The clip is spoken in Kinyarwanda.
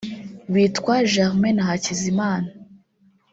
bitwa Germain na Hakizimana